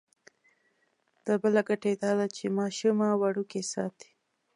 دا بله ګټه یې دا ده چې ماشومه وړوکې ساتي.